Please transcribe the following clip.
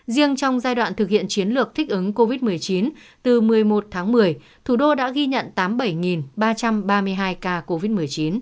riêng trong giai đoạn thực hiện chiến lược thích ứng covid một mươi chín từ một mươi một tháng một mươi thủ đô đã ghi nhận tám mươi bảy ba trăm ba mươi hai ca covid một mươi chín